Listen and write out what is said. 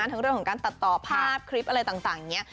ทั้งเรื่องของการตัดต่อภาพคลิปอะไรต่างอย่างนี้